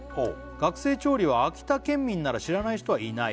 「学生調理は秋田県民なら知らない人はいない」